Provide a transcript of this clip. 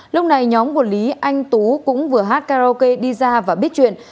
lúc này nhóm của lý anh tú cũng vừa hát karaoke đi ra và biết chuyện